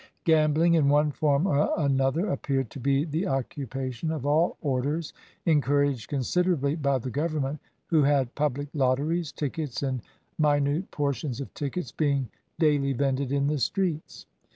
Gambling, in one form or another, appeared to be the occupation of all orders, encouraged considerably by the government, who had public lotteries, tickets and minute portions of tickets being daily vended in the streets.